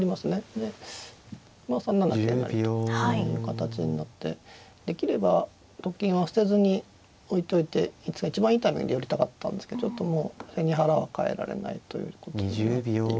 でまあ３七桂成という形になってできればと金は捨てずに置いといていつか一番いいタイミングで寄りたかったんですけどちょっともう背に腹は代えられないということになっていまして